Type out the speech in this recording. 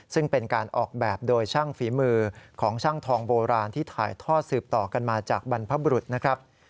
ซึ่งเป็นการออกแบบโดยช่างฝีมือของช่างทองโบราณที่ถ่ายทอดสืบต่อกันมาจากบรรพบรุษนะครับ